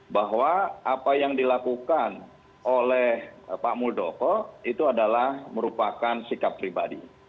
bahwa apa yang dilakukan oleh pak muldoko itu adalah merupakan sikap pribadi